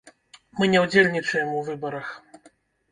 Мы не ўдзельнічаем у выбарах!